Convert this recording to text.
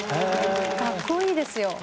かっこいいですよ。